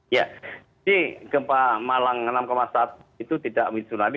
ya jadi gempa malang enam satu itu tidak menjadi tsunami